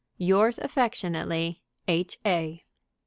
"Yours affectionately, H. A."